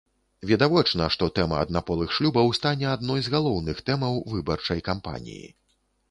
Відавочна, што тэма аднаполых шлюбаў стане адной з галоўных тэмаў выбарчай кампаніі.